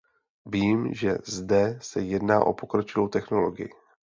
Vím, že zde se jedná o pokročilou technologii.